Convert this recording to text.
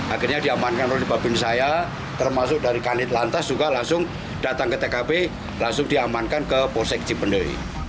akhirnya diamankan oleh babin saya termasuk dari kanit lantas juga langsung datang ke tkp langsung diamankan ke polsek cipendehi